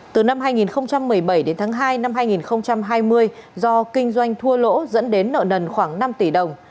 từ năm hai nghìn một mươi bảy đến tháng hai năm hai nghìn hai mươi do kinh doanh thua lỗ dẫn đến nợ nần khoảng năm tỷ đồng